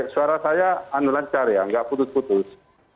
suara saya anu lancar ya nggak putus putus